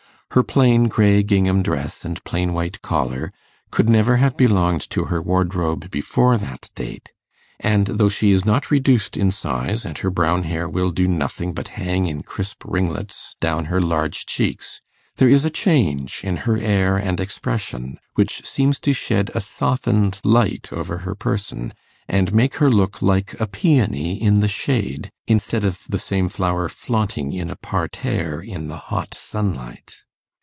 Her plain grey gingham dress and plain white collar could never have belonged to her wardrobe before that date; and though she is not reduced in size, and her brown hair will do nothing but hang in crisp ringlets down her large cheeks, there is a change in her air and expression which seems to shed a softened light over her person, and make her look like a peony in the shade, instead of the same flower flaunting in a parterre in the hot sunlight.